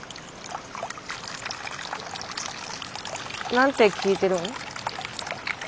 何て聞いてるん？